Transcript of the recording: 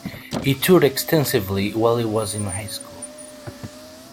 He toured extensively while he was in high school.